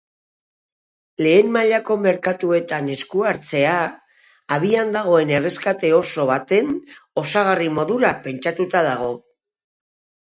Lehen mailako merkatuetan esku-hartzea abian dagoen erreskate oso baten osagarri modura pentsatuta dago.